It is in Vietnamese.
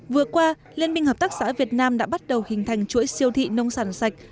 vừa qua liên minh hợp tác xã việt nam đã bắt đầu hình thành chuỗi siêu thị nông sản sạch